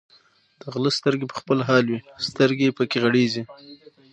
د غله سترګې په خپله حال وایي، سترګې یې پکې غړېږي.